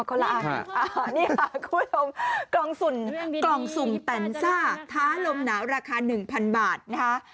อ๋อคนละอันค่ะนี่ค่ะคุณผู้ชมกล่องสุ่มแตนซากท้าลมหนาวราคา๑๐๐๐บาทนะคะ